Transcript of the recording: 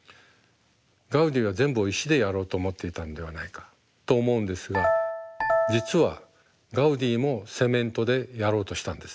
ガウディは全部を石でやろうと思っていたんではないかと思うんですが実はガウディもセメントでやろうとしたんです。